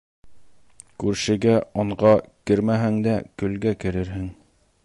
Күршегә онға кермәһәң дә, көлгә керерһең.